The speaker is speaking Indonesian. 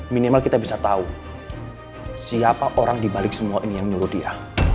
minimal kita bisa tahu siapa orang dibalik semua ini yang nyuruh dia